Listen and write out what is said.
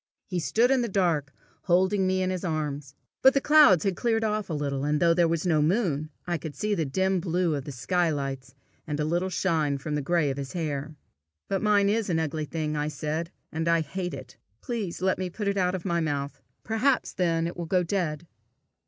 He stood in the dark, holding me in his arms. But the clouds had cleared off a little, and though there was no moon, I could see the dim blue of the sky lights, and a little shine from the gray of his hair. "But mine is an ugly thing," I said, "and I hate it. Please let me put it out of my mouth. Perhaps then it will go dead."